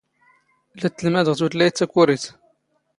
ⵍⴰ ⵜⵜⵍⵎⴰⴷⵖ ⵜⵓⵜⵍⴰⵢⵜ ⵜⴰⴽⵓⵔⵉⵜ.